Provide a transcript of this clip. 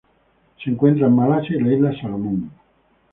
Se encuentra en Malasia y las Islas Salomón.